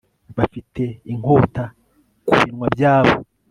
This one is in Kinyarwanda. bafite inkota ku binwa byabo